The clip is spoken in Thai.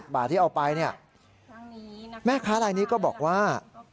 ๑๐บาทที่เอาไปแม่ค้าลายนี้ก็บอกว่า